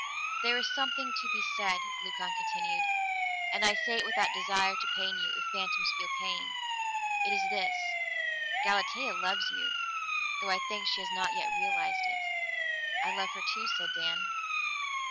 "There is something to be said," Leucon continued, "and I say it without desire to pain you, if phantoms feel pain. It is this: Galatea loves you, though I think she has not yet realized it." "I love her too," said Dan.